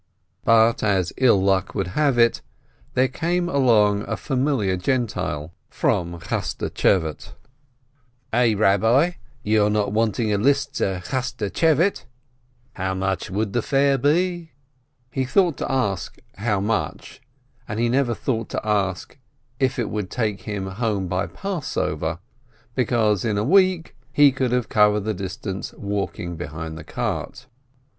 But as ill luck would have it, there came along a familiar Gentile from Chaschtschevate. "Eh, Eabbi, you're not wanting a lift to Chasch tschevate ?" "How much would the fare be ?" 130 SHOLOM ALECHEM He thought to ask how much, and he never thought to ask if it would take him home by Passover, because in a week he could have covered the distance walking behind the cart.